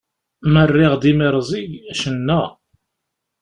Ma rriɣ-d imirẓig, cenna!